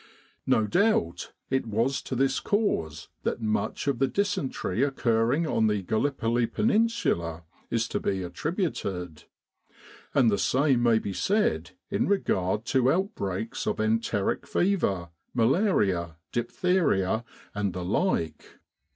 No doubt it was to this cause that much of the dysentery occurring on the Gallipoli Peninsula is to be attri buted; and the same may be said in regard to out breaks of enteric fever, malaria, diphtheria, and the like.